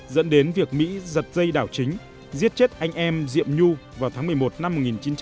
dẫn đến việc mỹ giật dây đảo chính giết chết anh em diệm nhu vào tháng một mươi một năm một nghìn chín trăm bảy mươi